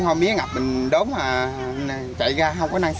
các doanh nghiệp mía trên địa bàn đang gặp khó khăn về vốn